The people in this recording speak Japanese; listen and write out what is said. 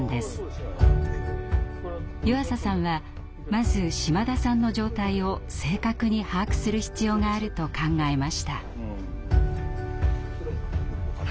湯浅さんはまず島田さんの状態を正確に把握する必要があると考えました。